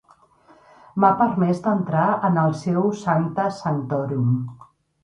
M'ha permès d'entrar en el seu 'sancta sanctorum'.